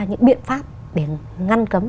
những biện pháp để ngăn cấm